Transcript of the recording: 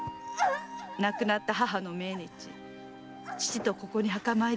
亡くなった母の命日父とここに墓参りして帰りましたところ